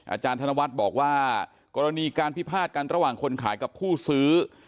อาจารย์ธนวัฒน์บอกว่ากรณีการพิพาทกันระหว่างคนขายกับผู้ซื้อ